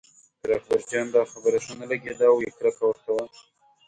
پر اکبرجان دا خبره ښه نه لګېده او یې کرکه ورته وه.